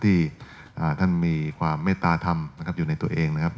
ที่ท่านมีความเมตตาธรรมนะครับอยู่ในตัวเองนะครับ